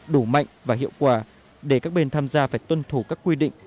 đủ mạnh và hiệu quả để các bên tham gia phải tuân thủ các quy định